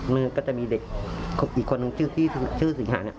ก็จะมีเด็กอีกคนนึงชื่อสิงหาเนี่ย